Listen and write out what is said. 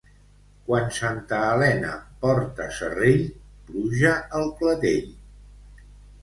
Quan Santa Helena porta serrell, pluja al clatell.